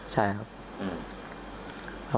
ใช่ครับ